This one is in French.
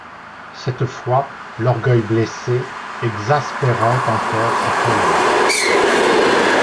Cette fois, l’orgueil blessé exaspérait encore sa colère.